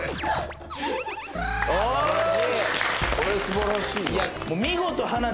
これ、すばらしいな。